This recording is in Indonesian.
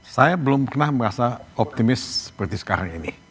saya belum pernah merasa optimis seperti sekarang ini